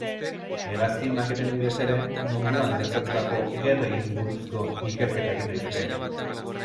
Hegazkin-maketen bidez ere, munduan gertatutako gerrei buruzko ikerketa egin daiteke.